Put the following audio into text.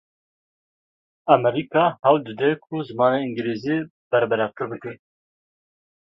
Amerîka hewl dide ku zimanê îngilîzî berbelavtir bike.